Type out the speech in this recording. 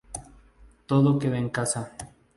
Todo queda en casa